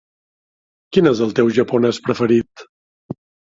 Quin és el teu japonès preferit?